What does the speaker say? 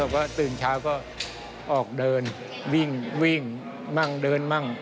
ก็ตื่นเช้าก็ออกเดินวิ่งมั่งเดินมั่ง